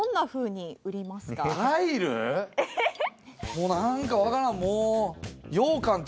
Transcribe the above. もう何か分からん。